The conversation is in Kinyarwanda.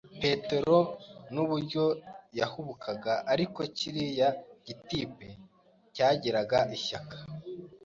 “PETERO N’UBWO YAHUBUKAGA ARIKO KIRIYA GI-TYPE CYAGIRAGA ISHYAKA